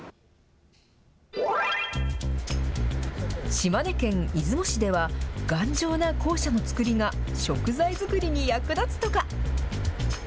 島根県出雲市では、頑丈な校舎の造りが、食材作りに役立つとか。